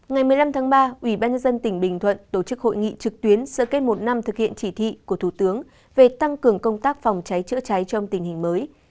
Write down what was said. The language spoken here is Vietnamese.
ngày một mươi năm tháng ba ủy ban nhân dân tỉnh bình thuận tổ chức hội nghị trực tuyến sẽ kết một năm thực hiện chỉ thị của thủ tướng về tăng cường công tác phòng cháy chữa cháy trong tình hình mới